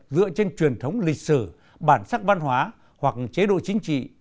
dựa trên truyền thống lịch sử bản sắc văn hóa hoặc chế độ chính trị